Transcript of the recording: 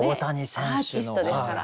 アーチストですから。